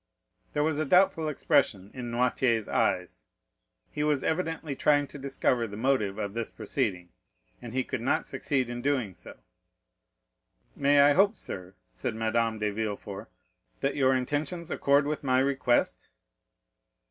There was a doubtful expression in Noirtier's eyes; he was evidently trying to discover the motive of this proceeding, and he could not succeed in doing so. "May I hope, sir," said Madame de Villefort, "that your intentions accord with my request?"